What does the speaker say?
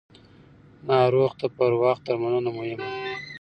ناروغ ته پر وخت درملنه مهمه ده.